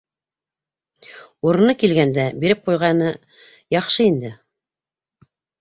Урыны килгәндә, биреп ҡуйғаны яҡшы инде.